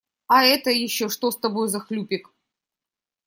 А это еще что с тобой за хлюпик?